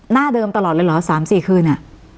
หน้าเดิมตลอดเลยเหรอ๓๔คืน